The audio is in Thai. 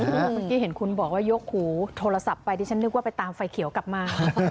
เมื่อกี้เห็นคุณบอกว่ายกหูโทรศัพท์ไปดิฉันนึกว่าไปตามไฟเขียวกลับมา